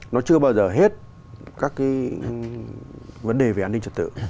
nó chưa bao giờ hết các cái vấn đề về an ninh trật tự